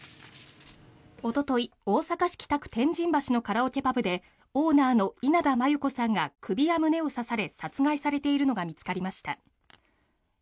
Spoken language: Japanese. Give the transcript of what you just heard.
おととい大阪市北区天神橋のカラオケパブでオーナーの稲田真優子さんが首や胸などを刺され殺害されているのが見つかりました。